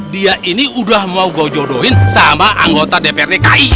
dia ini udah mau go jodohin sama anggota dprdki